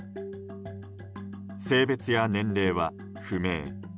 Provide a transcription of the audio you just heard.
性別や年齢は不明。